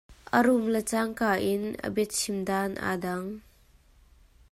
A rum le caang kain a bia chim dan aa dang.